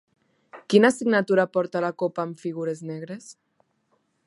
Quina signatura porta la copa amb figures negres?